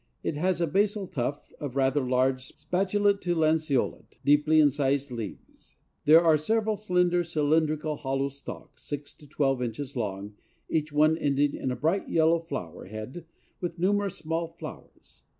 It has a basal tuft of rather large, spatulate to lanceolate, deeply incised leaves. There are several slender, cylindrical, hollow stalks, six to twelve inches long, each one ending in a bright yellow flower head with numerous small flowers.